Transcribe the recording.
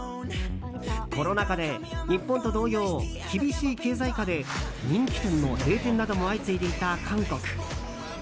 コロナ禍で日本と同様、厳しい経済下で人気店の閉店なども相次いでいた韓国。